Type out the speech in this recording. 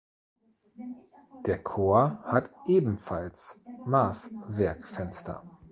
Der Chor hat ebenfalls Maßwerkfenster.